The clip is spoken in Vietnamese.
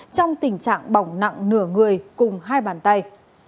trong tình trạng bỏng nặng nửa người cùng hai bàn tay